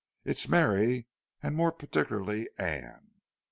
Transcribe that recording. "It's Mary, and more particularly Anne."